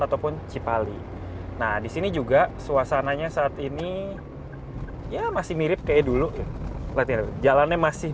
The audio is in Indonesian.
ataupun cipali nah disini juga suasananya saat ini ya masih mirip kayak dulu latihan jalannya masih